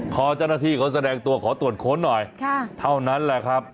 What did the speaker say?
พอเจ้าหน้าที่เขาแสดงตัวขอตรวจค้นหน่อยเท่านั้นแหละครับ